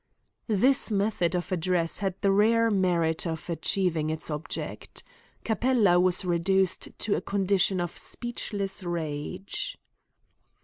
This method of address had the rare merit of achieving its object. Capella was reduced to a condition of speechless rage.